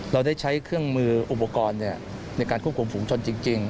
เราได้ใช้เครื่องมืออุปกรณ์ในการควบคุมฝูงชนจริง